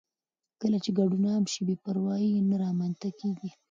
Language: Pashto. کله چې ګډون عام شي، بې پروايي نه رامنځته کېږي.